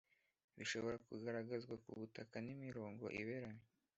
bishobora kugaragazwa ku butaka n'imirongo iberamye